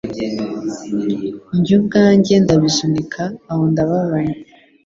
njye ubwanjye ndabisunika aho ndababaye